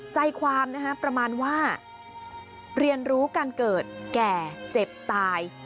ใจความนะฮะประมาณว่าเรียนรู้การเกิดแก่เจ็บตาย